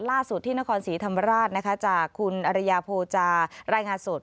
ล่าสุดที่นครศรีธรรมราชนะคะจากคุณอริยาโพจารายงานสด